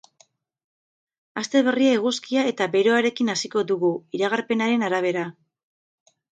Aste berria eguzkia eta beroarekin hasiko dugu, iragarpenaren arabera.